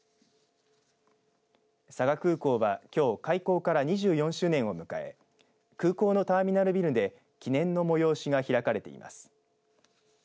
佐賀空港はきょう開港から２４周年を迎え空港のターミナルビルで記念の催しが開かれています。